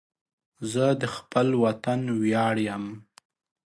زه د خپل وطن ویاړ یم